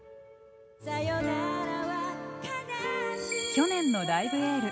去年の「ライブ・エール」。